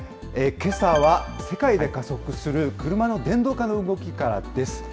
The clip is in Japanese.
けさは、世界で加速する車の電動化の動きからです。